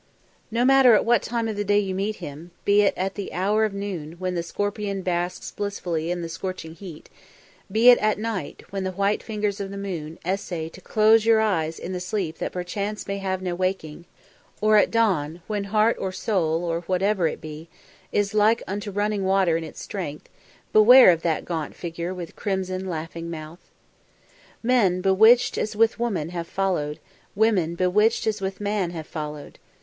So matter at what hour of the day you meet him; be it at the hour of noon, when the scorpion basks blissfully in the scorching sun; be it at night, when the white fingers of the moon essay to close your eyes in the sleep that perchance may have no waking; or at dawn, when heart or soul, or whatever it be, is like unto running water in its strength, beware of that gaunt figure with crimson laughing mouth. Men bewitched as with woman have followed; women bewitched as with man have followed.